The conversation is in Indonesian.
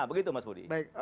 begitu mas budi